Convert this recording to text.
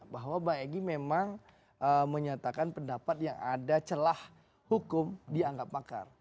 bahwa bang egy memang menyatakan pendapat yang ada celah hukum dianggap makar